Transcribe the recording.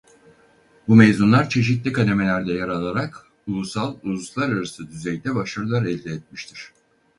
Bu mezunlar çeşitli kademelerde yer alarak ulusal-uluslararası düzeyde başarılar elde etmiştir.